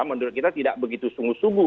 menurut kita tidak begitu sungguh sungguh